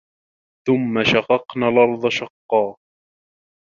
ثُمَّ شَقَقنَا الأَرضَ شَقًّا